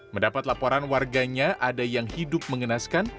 mendapat laporan warganya ada yang hidup mengenaskan